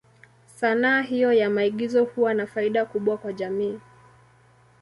Sanaa hiyo ya maigizo huwa na faida kubwa kwa jamii.